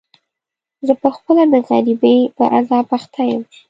زه په خپله د غريبۍ په عذاب اخته يم.